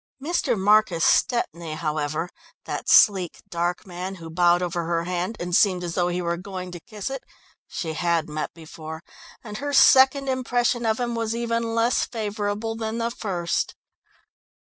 Mr. Marcus Stepney, however, that sleek, dark man, who bowed over her hand and seemed as though he were going to kiss it, she had met before, and her second impression of him was even less favourable than the first.